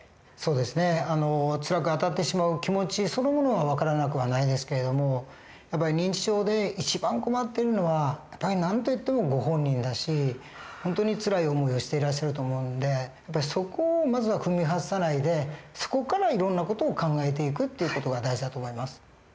そうですねつらくあたってしまう気持ちそのものは分からなくはないですけど認知症で一番困っているのは何と言ってもご本人だし本当につらい思いをしていらっしゃると思うんでそこをまずは踏み外さないでそこからいろんな事を考えていくっていう事が大事だと思います。